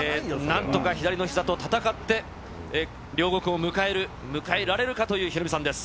なんとか左のひざと闘って、両国を迎えられるかというヒロミさんです。